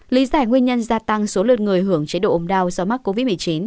lý giải nguyên nhân gia tăng số lượt người hưởng chế độ ồm đau do mắc covid một mươi chín